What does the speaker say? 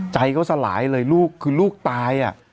ใจเขาสลายเลยคือลูกตายอ่ะ